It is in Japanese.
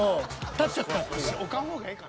［立っちゃった］